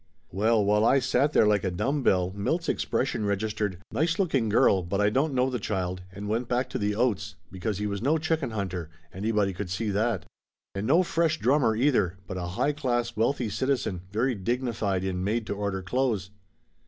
Well, while I sat there like a dumb bell Milt's ex 64 Laughter Limited 65 pression registered "Nice looking girl but I don't know the child," and went back to the oats, because he was no chicken hunter, anybody could see that; and no fresh drummer, either, but a high class wealthy citi zen, very dignified in made to order clothes.